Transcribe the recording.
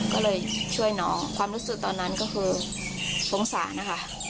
ก็เลยช่วยน้องความรู้สึกตอนนั้นก็คือสงสารนะคะ